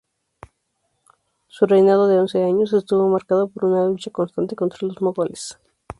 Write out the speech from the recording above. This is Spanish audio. Su reinado de once años estuvo marcado por una lucha constante contra los mogoles.